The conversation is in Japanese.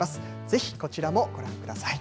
ぜひこちらもご覧ください。